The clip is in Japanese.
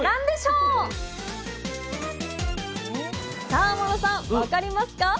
さあ天野さん分かりますか？